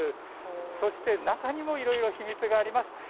そして中にもいろいろ秘密があるんです。